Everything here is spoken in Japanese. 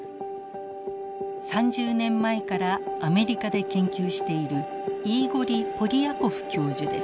３０年前からアメリカで研究しているイーゴリ・ポリヤコフ教授です。